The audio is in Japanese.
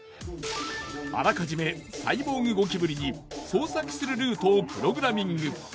あらかじめサイボーグゴキブリに捜索するルートをプログラミング。